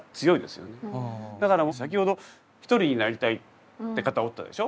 だから先ほどひとりになりたいって方おったでしょ。